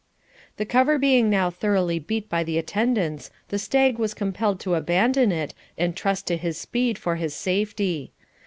The cover being now thoroughly beat by the attendants, the stag was compelled to abandon it and trust to his speed for his safety.